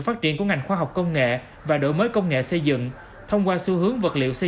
phát triển của ngành khoa học công nghệ và đổi mới công nghệ xây dựng thông qua xu hướng vật liệu xây